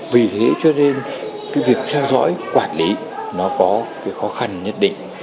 vì thế cho nên việc theo dõi quản lý nó có khó khăn nhất định